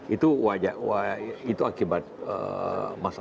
itu wajar itu akibat masalah